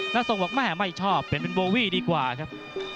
แล้วทรงบอกแม่ไม่ชอบเป็นโบวี่ดีกว่าครับ